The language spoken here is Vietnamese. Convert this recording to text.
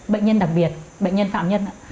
bệnh nhân đặc biệt bệnh nhân phạm nhân